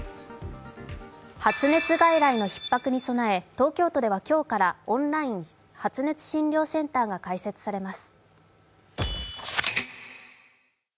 発熱外来のひっ迫に備え、東京都では今日からオンライン発熱診療センターが開設されます。